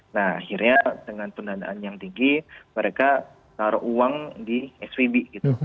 nah akhirnya dengan pendanaan yang tinggi mereka taruh uang di svb gitu